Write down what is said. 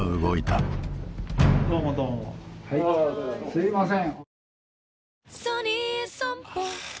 すいません。